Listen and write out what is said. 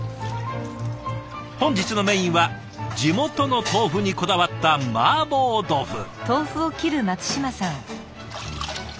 本日のメインは地元の豆腐にこだわったマーボー豆腐。